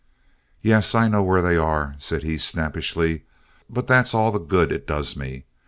"Yes, I know where they are," said he, snappishly, "but that's all the good it does me.